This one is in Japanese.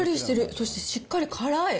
そしてしっかり辛い。